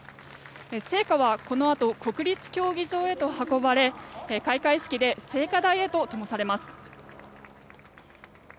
聖火はこのあと国立競技場へと運ばれ開会式で聖火台へとともされます。